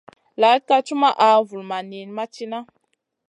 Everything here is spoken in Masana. Laaɗ ka cumaʼa, vulmaʼ niyn ma cina.